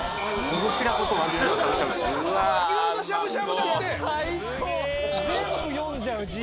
全部読んじゃう字。